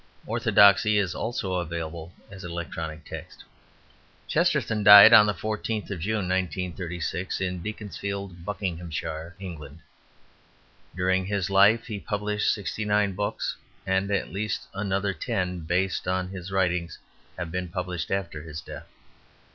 Orthodoxy is also available as electronic text. Chesterton died on the 14th of June, 1936 in Beaconsfield, Buckinghamshire, England. During his life he published 69 books and at least another ten based on his writings have been published after his death.